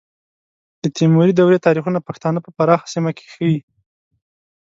د تیموري دورې تاریخونه پښتانه په پراخه سیمه کې ښیي.